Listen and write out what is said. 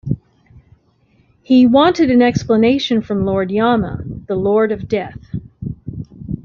He wanted an explanation from Lord Yama, the lord of death.